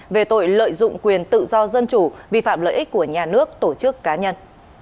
về tội lợi dụng quyền tự do dân chủ vi phạm lợi ích của nhà nước tổ chức cá nhân